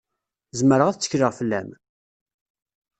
Zemreɣ ad tekkleɣ fell-am?